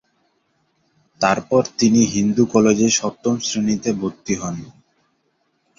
তারপর তিনি হিন্দু কলেজে সপ্তম শ্রেনীতে ভর্তি হন।